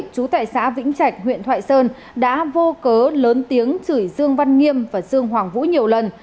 chú tại xã vĩnh trạch huyện thoại sơn đã vô cớ lớn tiếng chửi dương văn nghiêm và dương hoàng vũ nhiều lần